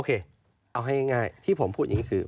เอาให้ง่ายที่ผมพูดอย่างนี้คือ